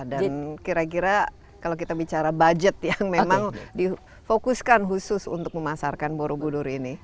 dan kira kira kalau kita bicara budget yang memang difokuskan khusus untuk memasarkan buru buru ini